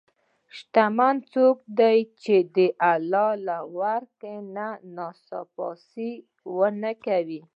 شتمن څوک دی چې د الله ورکړه نه ناسپاسي نه کوي.